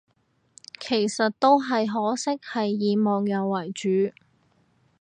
其實都係，可惜係以網友為主